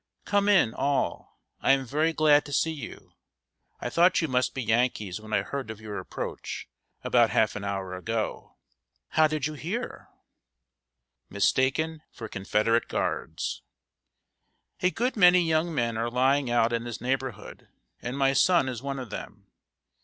"Come in, all. I am very glad to see you. I thought you must be Yankees when I heard of your approach, about half an hour ago." "How did you hear?" [Sidenote: MISTAKEN FOR CONFEDERATE GUARDS.] "A good many young men are lying out in this neighborhood, and my son is one of them.